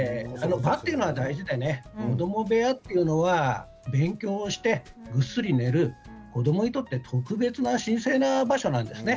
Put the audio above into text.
場というのは大事で子ども部屋というのは勉強してぐっすり寝る子どもにとって特別な神聖な場所なんですね。